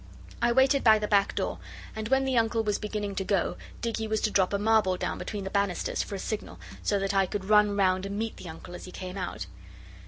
I waited by the back door, and when the Uncle was beginning to go Dicky was to drop a marble down between the banisters for a signal, so that I could run round and meet the Uncle as he came out.